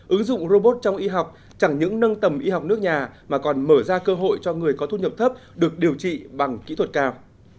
ứng dụng robot trong y học chẳng những nâng tầm y học nước nhà mà còn mở ra cơ hội cho người có thu nhập thấp được điều trị bằng kỹ thuật cao